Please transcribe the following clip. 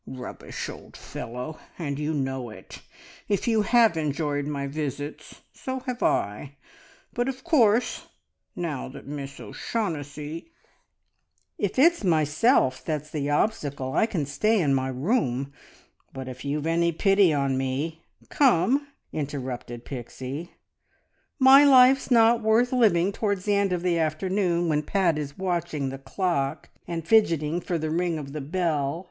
"Rubbish, old fellow! And you know it. If you have enjoyed my visits, so have I. But of course now that Miss O'Shaughnessy " "If it's myself that's the obstacle I can stay in my room, but if you've any pity on me, come!" interrupted Pixie. "My life's not worth living towards the end of the afternoon when Pat is watching the clock, and fidgeting for the ring of the bell.